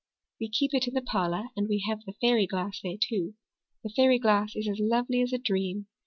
We keep it in the parlor and we have the fairy glass there, too. The fairy glass is as lovely as a dream.